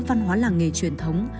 văn hóa làng nghề truyền thống